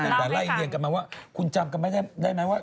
แล้วก็ไล่เรียงกลับมาว่าคุณจำกันไหมได้ไหมว่า